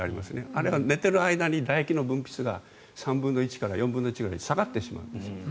あれは寝てる間に、だ液の分泌が３分の１から４分の１くらい下がってしまうんです。